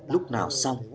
lúc nào xong